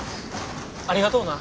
ありがとうな。